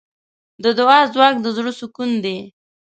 د دعا ځواک د زړۀ سکون دی.